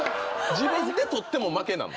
自分で取っても負けなの？